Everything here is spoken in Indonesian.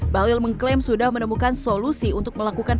bahlil mengklaim sudah menemukan solusi untuk melakukan